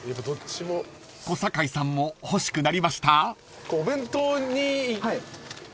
［小堺さんも欲しくなりました？］